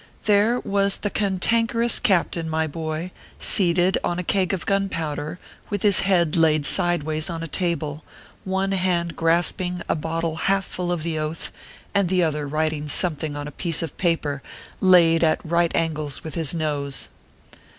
There was the cantankerous captain, my boy, seated on a keg of gunpowder, with his head laid sideways on a table ; one hand grasping a bottle half full of the Oath, and the other writing something on a piece of paper laid at right angles with his nose.